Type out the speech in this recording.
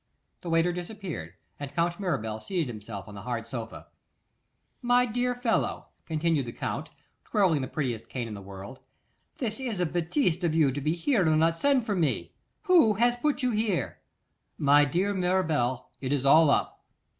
The waiter disappeared, and Count Mirabel seated himself on the hard sofa. 'My dear fellow,' continued the Count, twirling the prettiest cane in the world, 'this is a bêtise of you to be here and not send for me. Who has put you here?' 'My dear Mirabel, it is all up.